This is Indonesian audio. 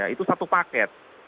itu satu paket